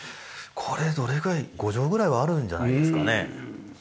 これどれぐらい５畳ぐらいはあるんじゃないですかね。